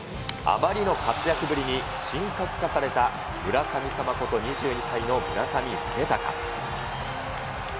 あまりの活躍ぶりに神格化された村神様こと２２歳の村上宗隆。